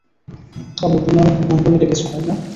বাবু, তুমি আমাকে বোন বলে ডেকেছ, তাই না?